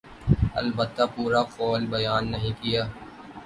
البتہ پورا قول بیان نہیں کیا۔